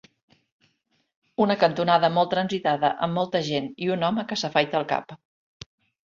Una cantonada molt transitada amb molta gent i un home que s'afaita el cap